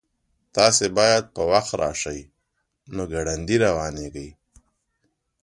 تاسو باید په وخت راشئ نو ګړندي روانیږئ